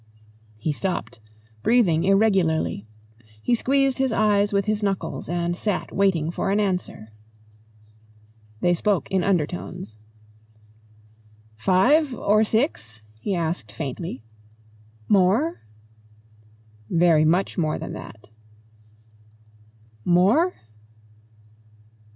He stopped, breathing irregularly. He squeezed his eyes with his knuckles and sat waiting for an answer. They spoke in undertones. "Five or six?" he asked faintly. "More?" "Very much more than that." "More!"